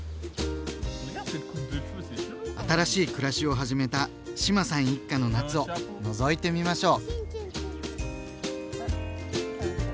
新しい暮らしを始めた志麻さん一家の夏をのぞいてみましょう。